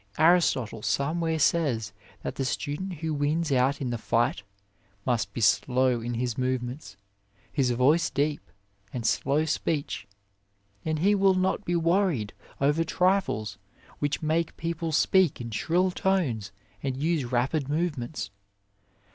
Aristotle somewhere says that the student who wins out in the fight must be slow in his movements, with voice deep, and slow speech, and he will not be worried over trifles which make people speak in shrill tones and use rapid movements.